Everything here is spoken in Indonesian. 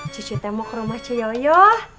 cucu teh mau ke rumah cuyoyo